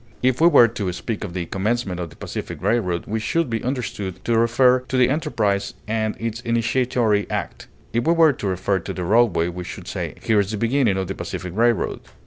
If we were to speak of the commencement of the Pacific Railroad, we should be understood to refer to the enterprise and its initiatory act; if we were to refer to the roadway we should say "Here is the beginning of the Pacific Railroad."